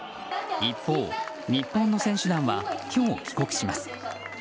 一方、日本の選手団は今日帰国します。